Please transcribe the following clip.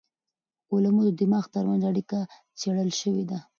کولمو او دماغ ترمنځ اړیکه څېړل شوې ده.